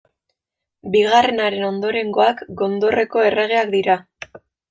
Bigarrenaren ondorengoak, Gondorreko erregeak dira.